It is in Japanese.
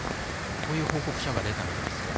こういう報告書が出たんだそうです。